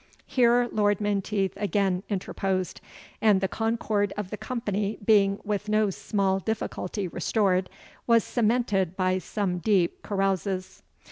Here Lord Menteith again interposed, and the concord of the company being with no small difficulty restored, was cemented by some deep carouses.